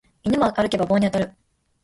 犬も歩けば棒に当たる